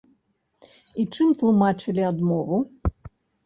І чым тлумачылі адмову?